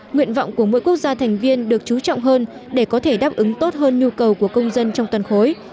nguyện vọng của mỗi quốc gia thành viên được chú trọng hơn để có thể đáp ứng tốt hơn nhu cầu của công dân trong toàn khối